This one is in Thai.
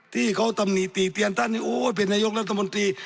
ที่เขาตำหนิติเตียนท่านโอ้ยเป็นนายกรัฐมนตรี